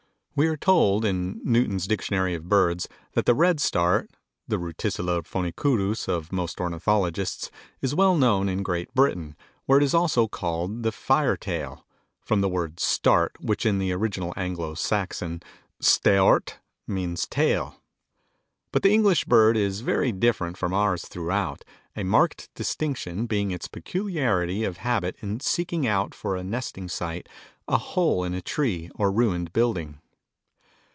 We are told, in Newton's Dictionary of Birds, that the Redstart, the Ruticilla phoenicurus of most ornithologists, is well known in Great Britain, where it is also called the Fire tail, from the word "start" which in the original Anglo Saxon "steort," means tail. But the English bird is very different from ours throughout, a marked distinction being its peculiarity of habit in seeking out for a nesting site a hole in a tree or ruined building.